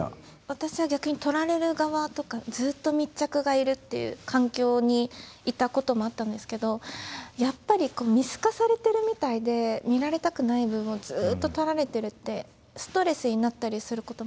私は逆に撮られる側とかずっと密着がいるっていう環境にいたこともあったんですけどやっぱり見透かされてるみたいで見られたくない部分をずっと撮られてるってストレスになったりすることもあって。